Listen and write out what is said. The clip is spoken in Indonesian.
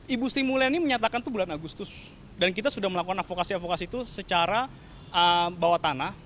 ibu sri mulyani menyatakan itu bulan agustus dan kita sudah melakukan avokasi avokasi itu secara bawah tanah